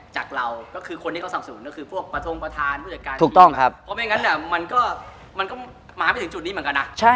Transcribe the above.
ใช่ครับเพราะว่านะอ่ะ